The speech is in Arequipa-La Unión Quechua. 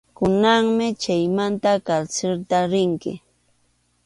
Kunanmi chaymanta karsilta rinki.